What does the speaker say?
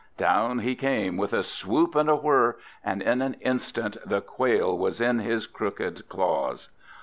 Down he came with a swoop and a whirr, and in an instant the Quail was in his crooked claws.